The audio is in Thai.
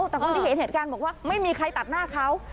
แต่คนที่เห็นเหตุการณ์บอกว่าไม่มีใครตัดหน้าเขา